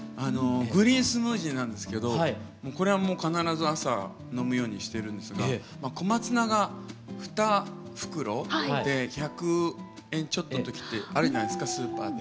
グリーンスムージーなんですけどこれはもう必ず朝飲むようにしてるんですが小松菜が２袋で１００円ちょっとの時ってあるじゃないですかスーパーで。